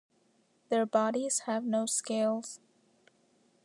Their bodies have no scales.